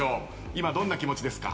今どんな気持ちですか？